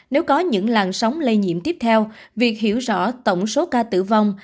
nếu có những làn sóng lây nhiễm tiếp theo việc hiểu rõ tổng số ca tử vong